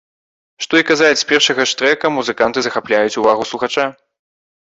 Што і казаць, з першага ж трэка музыканты захапляюць увагу слухача.